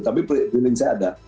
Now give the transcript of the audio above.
tapi feeling saya ada